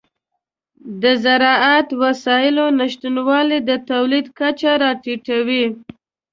د زراعتي وسایلو نشتوالی د تولید کچه راټیټوي.